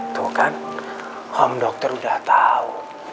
tuh kan om dokter udah tahu